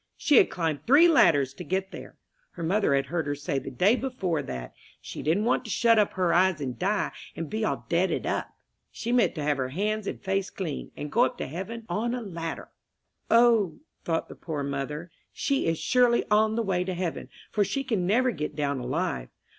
She had climbed three ladders to get there. Her mother had heard her say the day before that "she didn't want to shut up her eyes and die, and be all deaded up she meant to have her hands and face clean, and go up to heaven on a ladder." "O," thought the poor mother, "she is surely on the way to heaven, for she can never get down alive.